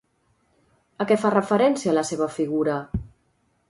A què fa referència la seva figura?